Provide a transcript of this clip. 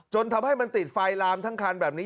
จนทำให้มันติดไฟลามทั้งคันแบบนี้